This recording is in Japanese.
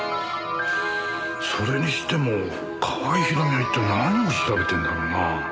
それにしても川合ひろみは一体何を調べてるんだろうな。